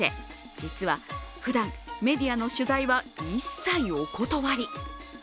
実は、ふだんメディアの取材は一切お断り。